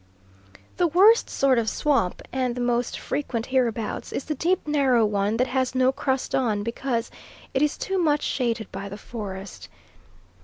The worst sort of swamp, and the most frequent hereabouts, is the deep narrow one that has no crust on, because it is too much shaded by the forest.